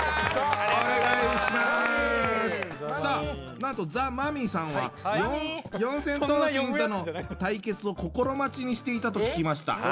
さあなんとザ・マミィさんは四千頭身との対決を心待ちにしていたと聞きました。